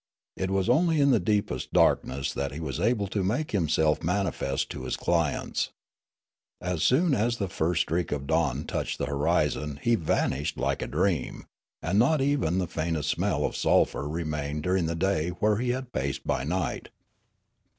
It was only in the deepest darkness that he was able to make himself manifest to his clients ; as soon as the first streak of dawn touched the horizon he vanished like a dream, and not even the faintest smell of sulphur remained during the day where he had paced by night.